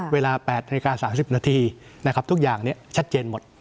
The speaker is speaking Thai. เวลา๘นาที๓๐นาทีนะครับทุกอย่างเนี่ยชัดเจนหมด